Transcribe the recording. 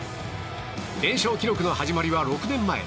連勝記録の始まりは６年前。